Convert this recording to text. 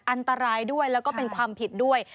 อันตรายด้วยแล้วก็เป็นความผิดด้วย